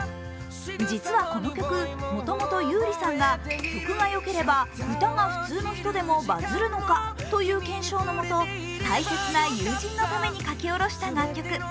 実はこの曲、もともと優里さんが曲がよければ歌が普通の人でもバズるのかという検証のもと大切な友人のために書き下ろした楽曲。